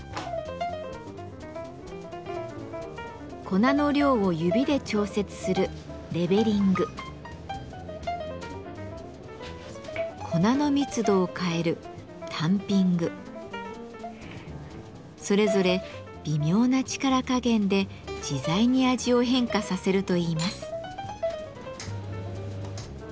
粉の量を指で調節する粉の密度を変えるそれぞれ微妙な力加減で自在に味を変化させるといいます。